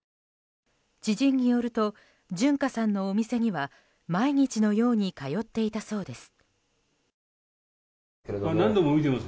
知人によると純歌さんのお店には毎日のように通っていたそうです。